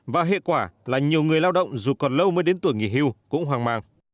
và hệ quả là nhiều người lao động dù còn lâu mới đến tuổi nghỉ hưu cũng hoang mang